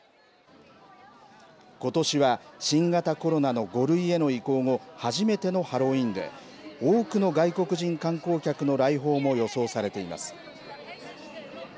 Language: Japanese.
ことしは新型コロナの５類への移行後初めてのハロウィーンで多くの外国人観光客の来訪も予想されています。